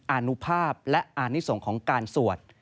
อนุภาพและอานิสงฆ์ของการสวด